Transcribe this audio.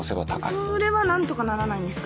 それは何とかならないんですか？